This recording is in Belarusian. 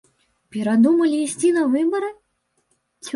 Перадумалі ісці на выбары?